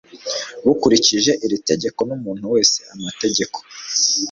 bukurikije iri tegeko n umuntu wese amategeko